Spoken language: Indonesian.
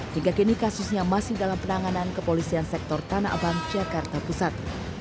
hingga kini kasusnya masih dalam penanganan kepolisian sektor tanah abang jakarta pusat